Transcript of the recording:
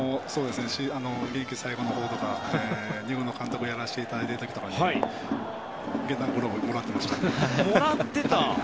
現役最後のほうとか自分が監督をやらせていただいていた時に源田のグローブもらっていました。